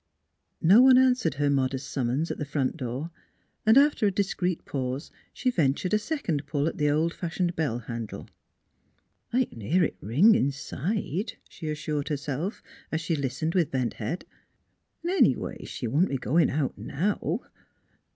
No one answered her modest summons at the front door, and after a discreet pause she ventured a second pull at the old fashioned bell handle. " I c'n hear it ring inside," she assured herself, as she listened with bent head; " 'n' anyway, she wouldn't be goin' out now."